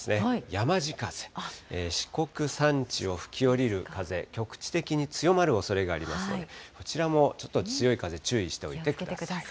やまじ風、四国山地を吹き降りる風、局地的に強まるおそれがありますので、こちらもちょっと強い風、気をつけてください。